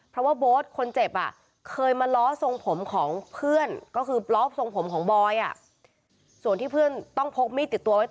เขาจงใจมาเตะโดนหน้าเพื่อนผมโดนผมด้วย